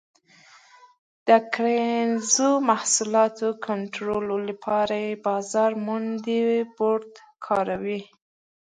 د کرنیزو محصولاتو کنټرول لپاره یې بازار موندنې بورډ کاراوه.